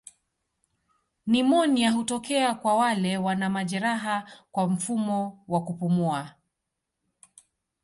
Nimonia hutokea kwa wale wana majeraha kwa mfumo wa kupumua.